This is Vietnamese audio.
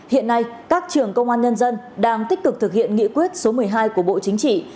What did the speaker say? hiện nay các trường công an nhân dân đang tích cực thực hiện nghị quyết số một mươi hai của bộ chính trị